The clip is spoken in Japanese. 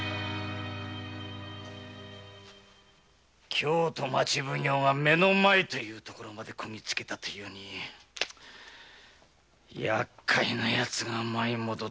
京都町奉行が目の前というところまでこぎつけたというにやっかいなヤツが舞い戻ってきおった。